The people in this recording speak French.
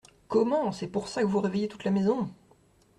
Comment ! c’est pour ça que vous réveillez toute la maison !